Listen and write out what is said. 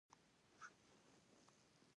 آیا کښتۍ له ټولې نړۍ هلته نه راځي؟